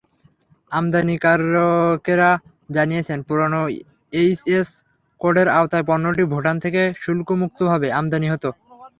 আমদানিকারকেরা জানিয়েছেন, পুরোনো এইচএস কোডের আওতায় পণ্যটি ভুটান থেকে শুল্কমুক্তভাবে আমদানি হতো।